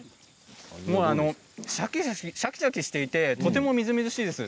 シャキシャキしていてとてもみずみずしいです。